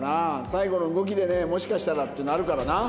最後の動きでねもしかしたらっていうのはあるからな。